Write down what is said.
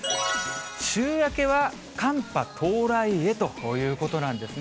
週明けは寒波到来へということなんですね。